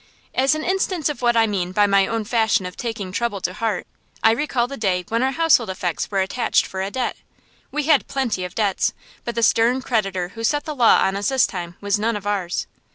As an instance of what I mean by my own fashion of taking trouble to heart, I recall the day when our household effects were attached for a debt. We had plenty of debts, but the stern creditor who set the law on us this time was none of ours.